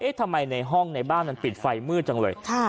ทำไมในห้องในบ้านมันปิดไฟมืดจังเลย